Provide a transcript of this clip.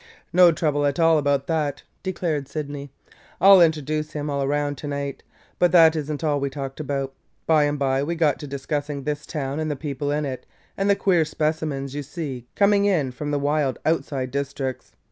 "No trouble at all about that!" declared Sydney. "I 'll introduce him all around to night. But that is n't all we talked about. By and by we got to discussing this town and the people in it and the queer specimens you see coming in from the wild outside districts.